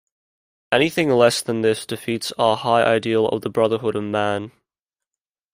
Anything less than this defeats our high ideal of the brotherhood of man.